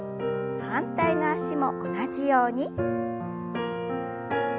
反対の脚も同じように。